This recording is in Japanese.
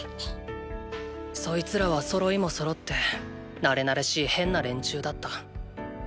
そいつらは揃いも揃って馴れ馴れしい変な連中だった。